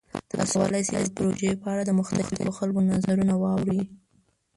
تاسو کولی شئ د پروژې په اړه د مختلفو خلکو نظرونه واورئ.